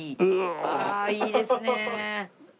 ああいいですね！